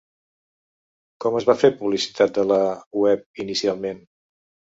Com es va fer publicitat de la web inicialment?